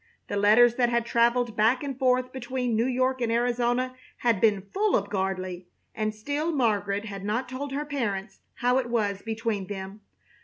The letters that had traveled back and forth between New York and Arizona had been full of Gardley; and still Margaret had not told her parents how it was between them.